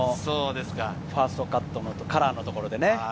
ファーストカットのカラーのところで。